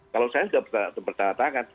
kalau saya sudah bercanda tangan